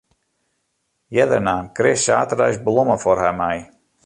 Earder naam Chris saterdeis blommen foar har mei.